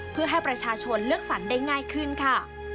เพื่อให้ประชาชนเลือกสรรได้ง่ายขึ้นค่ะ